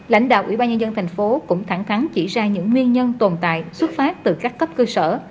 lãnh đạo ủy ban nhân dân thành phố cũng thẳng thắn chỉ ra những nguyên nhân tồn tại xuất phát từ các cấp cơ sở